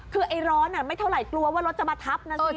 คือไอ้ร้อนไม่เท่าไหร่กลัวว่ารถจะมาทับนั่นสิ